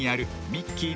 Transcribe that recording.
ミッキー。